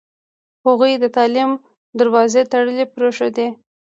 هغوی د تعلیم دروازې تړلې پرېښودې.